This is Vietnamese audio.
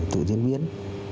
tự diễn biến